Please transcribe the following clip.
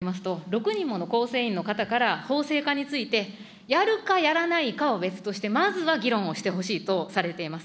８月１７日の分科会議事録によりますと、６人ものこうせい員の方から法制化についてやるかやらないかは別として、まずは議論をしてほしいとされています。